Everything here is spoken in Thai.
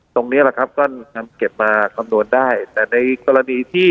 ตรงนี้แหละครับก็นำเก็บมาคำนวณได้แต่ในกรณีที่